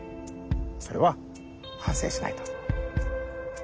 それは反省しないと。